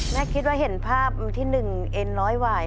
แม่คิดว่าเห็นภาพที่หนึ่งเอ็นร้อยหวาย